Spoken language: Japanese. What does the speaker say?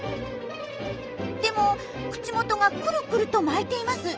でも口元がクルクルと巻いています。